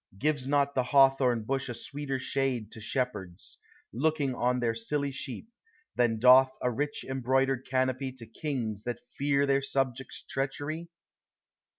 Gives not the hawthorn bush a sweeter shade To shepherds, looking on their silly sheep, Than doth a rich embroidered canopy To kings that fear their subjects' treachery?